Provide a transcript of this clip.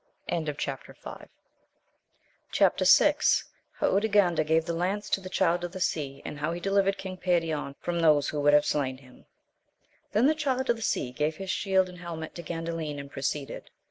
Chap. VI.— How XJrganda gare the lance to the Child of the Sea, and how he deliyered King Ferion from those who would have slain him. [HEN the Child of the Sea gave his shield and helmet to Gandalin, and proceeded.